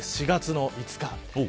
４月の５日。